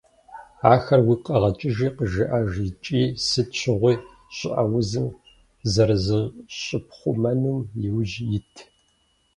Ахэр уигу къэгъэкӀыжи къыжыӀэж икӀи сыт щыгъуи щӀыӀэ узым зэрызыщыпхъумэнум иужь ит.